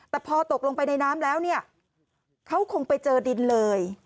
แต่พอตกลงไปในน้ำแล้วเนี่ยเขาคงไปเจอดินเลย